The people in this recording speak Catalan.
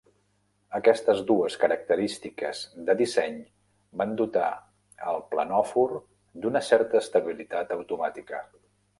Aquestes dues característiques de disseny van dotar al planòfor d'una certa estabilitat automàtica.